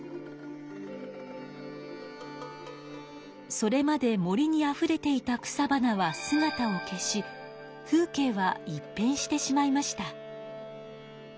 それまで森にあふれていた草花はすがたを消し風景は一変してしまいました。